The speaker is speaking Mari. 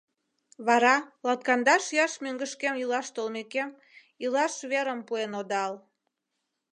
Вара, латкандаш ияш мӧҥгышкем илаш толмекем, илаш верым пуэн одал.